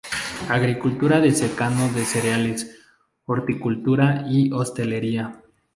Agricultura de secano de cereales, horticultura y hostelería.